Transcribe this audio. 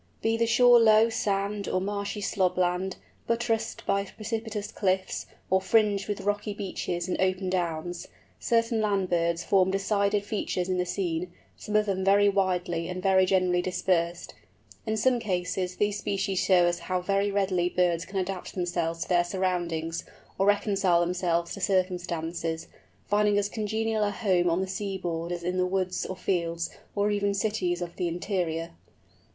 Be the shore low sand or marshy slob land, buttressed by precipitous cliffs, or fringed with rocky beaches and open downs, certain land birds form decided features in the scene, some of them very widely and very generally dispersed. In some cases these species show us how very readily birds can adapt themselves to their surroundings, or reconcile themselves to circumstances, finding as congenial a home on the seaboard as in the woods or fields, or even cities of the interior.